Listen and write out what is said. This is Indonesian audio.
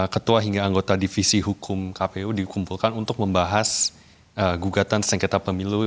ketua hingga anggota divisi hukum kpu dikumpulkan untuk membahas gugatan sengketa pemilu